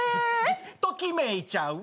「ときめいちゃうわ」